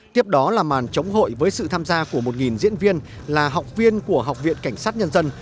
tiếp đó là màn chống hội với sự tham gia của một diễn viên là học viên của học viện cảnh sát nhân dân